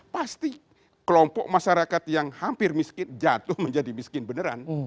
pasti kelompok masyarakat yang hampir miskin jatuh menjadi miskin beneran